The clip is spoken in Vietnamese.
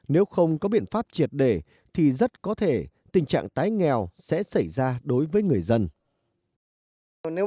nếu không có biện pháp triệt để thì rất có thể tình trạng tái nghèo sẽ xảy ra đối với người dân